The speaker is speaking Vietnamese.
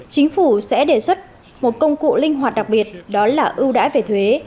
chính phủ sẽ đề xuất một công cụ linh hoạt đặc biệt đó là ưu đãi về thuế